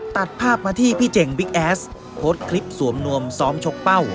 ตัดภาพมาที่พี่เจ๋งบิ๊กแอสโพสต์คลิปสวมนวมซ้อมชกเป้า